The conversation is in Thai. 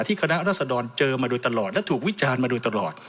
คณะรัศดรเจอมาโดยตลอดและถูกวิจารณ์มาโดยตลอด